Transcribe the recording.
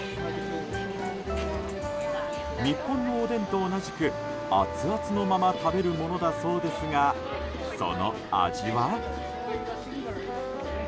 日本のおでんと同じくアツアツのまま食べるものだそうですがその味は。